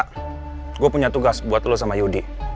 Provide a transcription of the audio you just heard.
kak gue punya tugas buat lo sama yudi